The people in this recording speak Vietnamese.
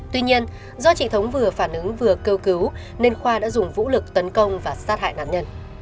tuy nhiên do chị thống vừa phản ứng vừa kêu cứu nên khoa đã dùng vũ lực tấn công và sát hại nạn nhân